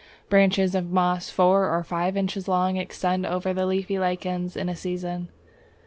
Branches of moss four or five inches long extend over the leafy lichens in a season.